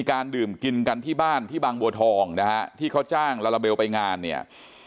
การดื่มกินกันที่บ้านที่บางบัวทองนะฮะที่เขาจ้างลาลาเบลไปงานเนี่ย